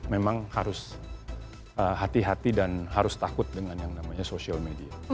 memang harus hati hati dan harus takut dengan yang namanya social media